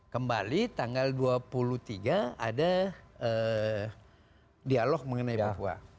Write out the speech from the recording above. kembali tanggal dua puluh tiga ada dialog mengenai papua